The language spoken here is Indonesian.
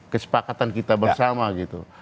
kesepakatan kita bersama gitu